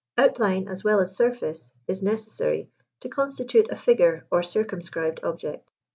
Outline, as well as surface, is necessary to constitute a figure or circumscribed object.